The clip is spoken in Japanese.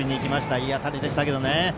いい当たりでしたけどね。